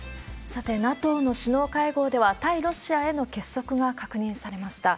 さて、ＮＡＴＯの首脳会合では、対ロシアへの結束が確認されました。